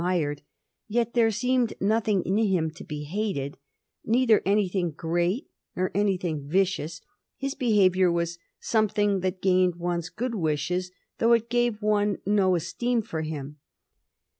mired, yet there seemed nothing in him to be hated — neither anything great nor anything vicious; his behav ior was something that gained one's good wishes though it gave one no esteem for him.